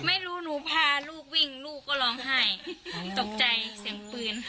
ไม่รู้หนูพาลูกวิ่งลูกก็ร้องไห้ตกใจเสียงปืน